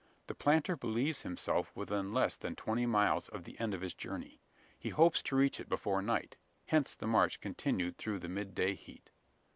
The planter believes himself within less than twenty miles of the end of his journey. He hopes to reach it before night: hence the march continued through the mid day heat.